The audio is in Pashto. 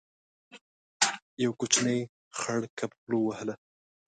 يو کوچنی خړ کب خوله وهله.